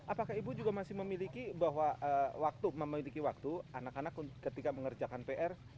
apakah ibu juga masih memiliki waktu anak anak ketika mengerjakan pr